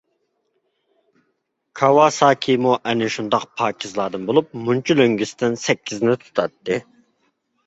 كاۋاساكىمۇ ئەنە شۇنداق پاكىزلاردىن بولۇپ، مۇنچا لۆڭگىسىدىن سەككىزنى تۇتاتتى.